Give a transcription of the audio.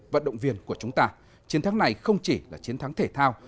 vận động viên của chúng ta chiến thắng này không chỉ là chiến thắng thể thao